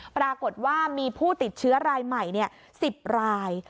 ปรากฏว่ามีผู้ติดเชื้อรายใหม่๑๐ราย